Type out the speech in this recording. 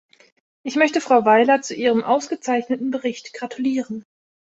Ich möchte Frau Weiler zu ihrem ausgezeichneten Bericht gratulieren.